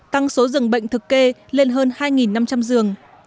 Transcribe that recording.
tăng số giường bệnh thực kê lên hơn hai năm trăm linh giường